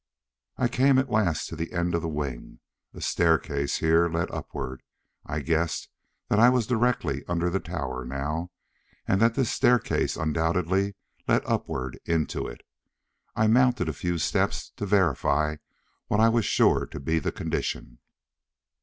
I came at last to the end of the wing. A staircase here led upward. I guessed that I was directly under the tower now, and that this staircase undoubtedly led upward into it. I mounted a few steps to verify what I was sure would be the condition.